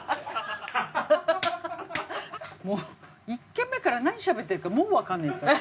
もう１軒目から何しゃべってるかもうわかんないです私。